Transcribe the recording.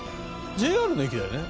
ＪＲの駅だよね？